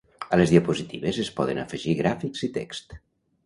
A les diapositives es poden afegir gràfics i text.